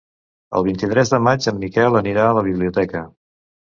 El vint-i-tres de maig en Miquel anirà a la biblioteca.